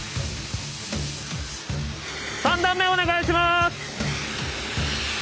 ３段目お願いします。